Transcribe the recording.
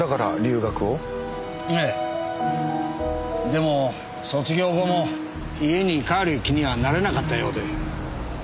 でも卒業後も家に帰る気にはなれなかったようで。